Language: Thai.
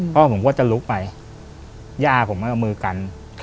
พ่อผมก็จะลุกไปย่าผมไม่เอามือกัน